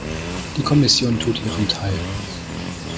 Die Kommission tut ihren Teil.